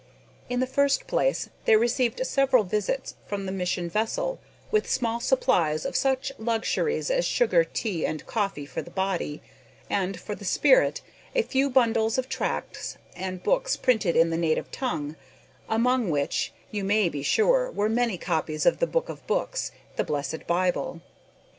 In the first place they received several visits from the mission vessel, with small supplies of such luxuries as sugar, tea, and coffee for the body, and, for the spirit, a few bundles of tracts and books printed in the native tongue, among which, you may be sure, were many copies of the Book of books, the blessed Bible.